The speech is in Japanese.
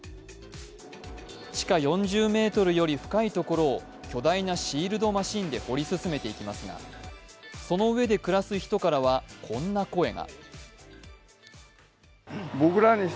地下４０ｍより深いところを巨大なシールドマシンで掘り進めていきますがその上で暮らす人からはこんな声が。